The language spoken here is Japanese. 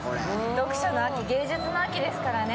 読書の秋、芸術の秋ですからね。